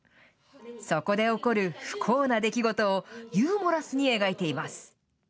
そこで起こる不幸な出来事を、ユーモラスに描いています。